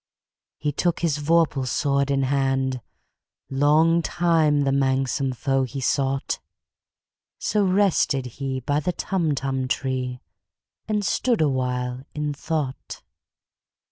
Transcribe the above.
He took his vorpal sword in hand:Long time the manxome foe he sought—So rested he by the Tumtum tree, And stood awhile in thought.